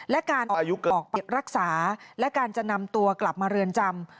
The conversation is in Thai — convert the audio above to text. และการออกเก็บรักษาและการจะนำตัวกลับมาเรือนจำ